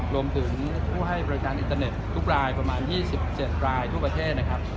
รวมถึงผู้ให้บริการอินเทอร์เน็ตทุกรายประมาณ๒๗รายทั่วประเทศนะครับ